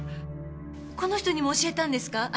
この人にも教えたんですか？